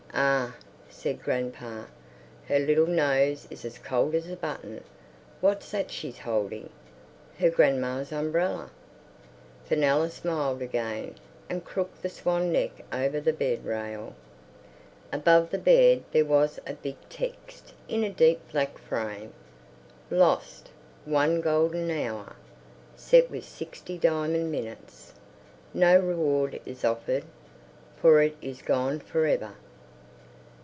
"Ugh!" said grandpa. "Her little nose is as cold as a button. What's that she's holding? Her grandma's umbrella?" Fenella smiled again, and crooked the swan neck over the bed rail. Above the bed there was a big text in a deep black frame:— Lost! One Golden Hour Set with Sixty Diamond Minutes. No Reward Is Offered For It Is Gone For Ever!